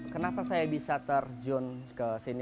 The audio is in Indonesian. kenapa saya bisa terjun ke sini